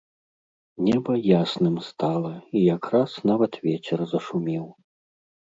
Неба ясным стала, і якраз нават вецер зашумеў.